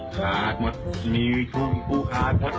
ขาดหมดมีช่วงอุ้งขาดหมด